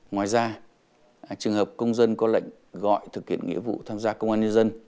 ngoài ra trường hợp công dân có lệnh gọi thực hiện nghĩa vụ tham gia công an nhân dân